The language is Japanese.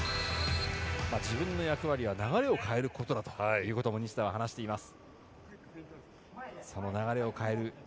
自分の役割は流れを変えることだということも西田は話しています。